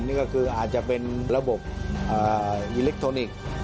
นี่ก็คืออาจจะเป็นระบบอิเล็กทรอนิกส์